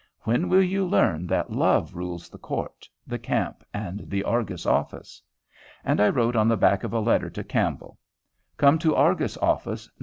When will you learn that Love rules the court, the camp, and the Argus office." And I wrote on the back of a letter to Campbell: "Come to the Argus office, No.